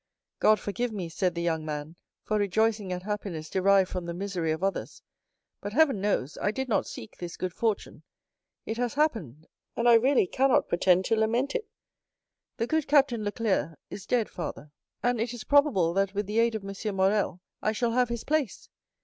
"God forgive me," said the young man, "for rejoicing at happiness derived from the misery of others, but, Heaven knows, I did not seek this good fortune; it has happened, and I really cannot pretend to lament it. The good Captain Leclere is dead, father, and it is probable that, with the aid of M. Morrel, I shall have his place.